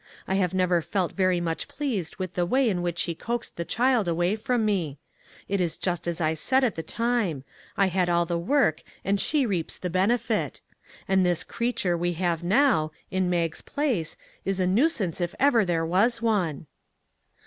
I have never felt very much pleased with the way in which she coaxed the child away from me. It is just as I said at the time I had all the work and she reaps the benefit And this creature we have now, in Mag's place, is a nuisance if ever there was one."